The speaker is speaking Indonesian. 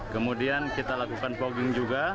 kemudian kita lakukan pogging juga